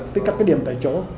với các điểm tại chỗ